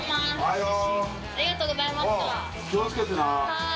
はい！